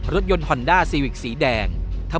รถยนต์ฮอนด้าซีวิกสีแดง